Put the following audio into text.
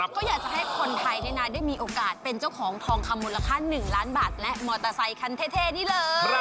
ก็อยากจะให้คนไทยได้มีโอกาสเป็นเจ้าของทองคำมูลค่า๑ล้านบาทและมอเตอร์ไซคันเท่นี่เลย